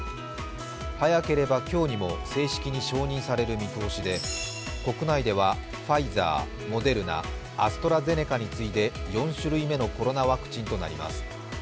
早ければ今日にも正式に承認される見通しで、国内ではファイザー、モデルナ、アストラゼネカに次いで４種類目のコロナワクチンとなります。